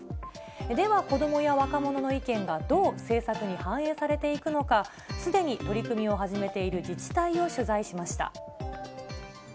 では、子どもや若者の意見がどう政策に反映されていくのか、すでに取り組みを始めている自治体を取材しました。